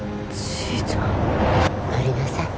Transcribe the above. ちーちゃん乗りなさい